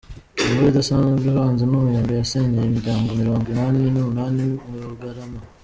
Imvura Idasanzwe ivanze n’umuyaga yasenyeye imiryango Mirongo Inani Numunani mu Bugarama